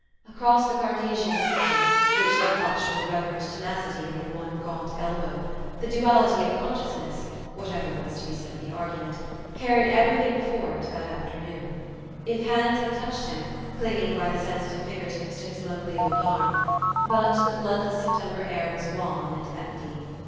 Across the Cartesian dictum, which he clutched with j everent tenacity under one gaunt el bow, the Duality of Consciousness (whatever was to be said of the argument) carried every thing before it THE STORY OF AVIS. 211 that afternoon. If hands had touched him, clinging by the sensitive finger tips to his lonely old arm but the bloodless September air was wan and empty.